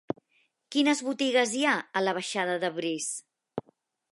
Quines botigues hi ha a la baixada de Briz?